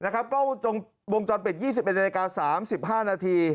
กล้องวงจรปิด๒๑นาฬิกา๓๕นาที